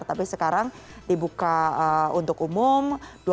tapi sekarang dibuka untuk umum